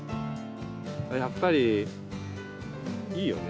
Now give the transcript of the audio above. やっぱりいいよね。